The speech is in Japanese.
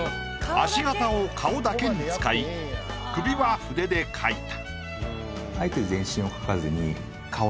足形を顔だけに使い首は筆で描いた。